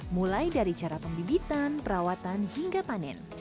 mulai dari cara pembibitan perawatan hingga panen